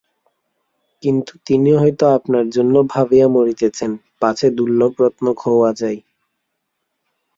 কিন্তু তিনি হয়তো আপনার জন্য ভাবিয়া মরিতেছেন, পাছে দুর্লভ রত্ন খোওয়া যায়।